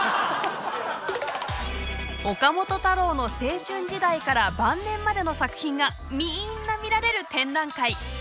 岡本太郎の青春時代から晩年までの作品がみんな見られる展覧会。